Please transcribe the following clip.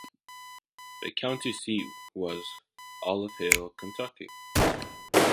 The county seat was Olive Hill, Kentucky.